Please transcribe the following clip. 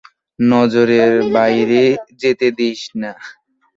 নজরের বাইরে যেতে দিস না।